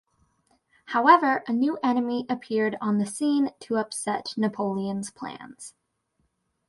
However, a new enemy appeared on the scene to upset Napoleon's plans.